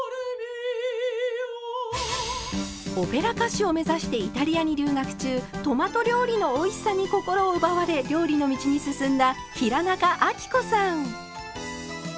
オペラ歌手を目指してイタリアに留学中トマト料理のおいしさに心を奪われ料理の道に進んだ平仲亜貴子さん。